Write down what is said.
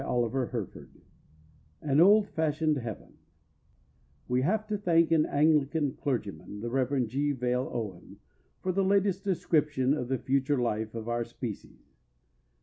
AN OLD FASHIONED HEAVEN We have to thank an Anglican clergyman, the Rev. G. Vale Owen, for the latest description of the Future Life of our species.